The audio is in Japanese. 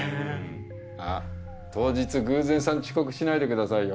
あっ当日偶然さん遅刻しないでくださいよ。